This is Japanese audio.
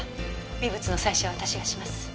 微物の採取は私がします。